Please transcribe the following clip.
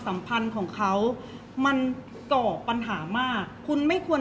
เพราะว่าสิ่งเหล่านี้มันเป็นสิ่งที่ไม่มีพยาน